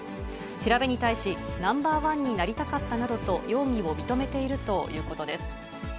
調べに対し、ナンバーワンになりたかったなどと容疑を認めているということです。